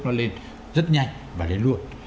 nó lên rất nhanh và lên luôn